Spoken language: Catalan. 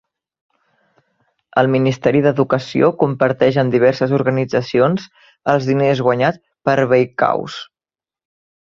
El Ministeri d'Educació comparteix amb diverses organitzacions els diners guanyats per Veikkaus.